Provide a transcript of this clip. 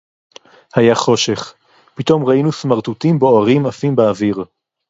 הָיָה חשֶׁךְ. פִּתְאֹם רָאִינוּ סְמַרְטוּטִים בּוֹעֲרִים עָפִים בָּאֲוִיר.